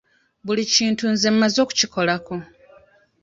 Buli kintu nze mmaze okukikolako.